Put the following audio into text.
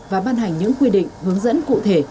và ban hành những quy định hướng dẫn cụ thể